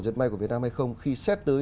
dệt may của việt nam hay không khi xét tới